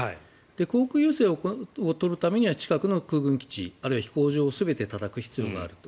航空優勢を取るためには近くの空軍基地あるいは飛行場を全てたたく必要があると。